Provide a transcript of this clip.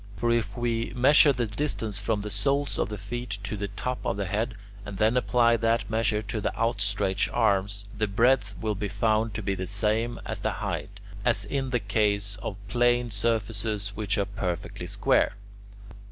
For if we measure the distance from the soles of the feet to the top of the head, and then apply that measure to the outstretched arms, the breadth will be found to be the same as the height, as in the case of plane surfaces which are perfectly square.